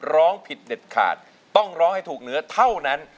ร้องผิดเด็ดขาดต้องร้องให้ถูกเนื้อเท่านั้น